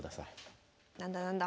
何だ何だ？